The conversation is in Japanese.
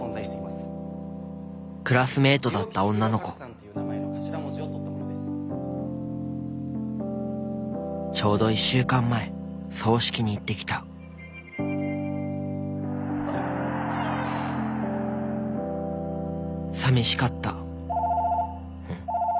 クラスメートだった女の子ちょうど１週間前葬式に行ってきたさみしかった☎ん？